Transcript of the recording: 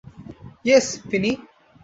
Yes, ফিনি!